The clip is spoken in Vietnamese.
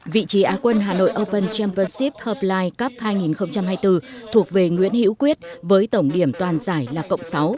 vị trí a quân hà nội open championship herbalife cup hai nghìn hai mươi bốn thuộc về nguyễn hữu quyết với tổng điểm toàn giải là cộng sáu